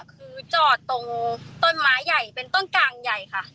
คือจอดตรงต้นไม้ใหญ่เป็นต้นกลางใหญ่ค่ะ